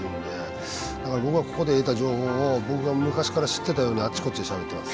だから僕はここで得た情報を僕が昔から知ってたようにあっちこっちでしゃべってます。